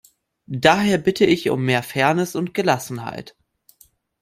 Daher bitte ich um mehr Fairness und Gelassenheit.